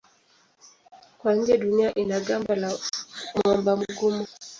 Kwa nje Dunia ina gamba la mwamba mgumu.